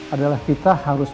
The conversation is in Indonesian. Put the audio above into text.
adalah kita harus